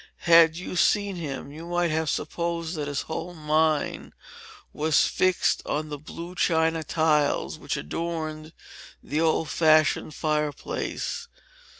Had you seen him, you might have supposed that his whole mind was fixed on the blue china tiles, which adorned the old fashioned fire place.